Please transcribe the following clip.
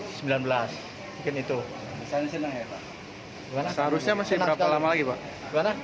seharusnya masih berapa lama lagi pak